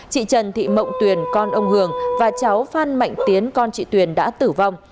chị trần thị mộng tuyền con ông hường và cháu phan mạnh tiến con chị tuyền đã tử vong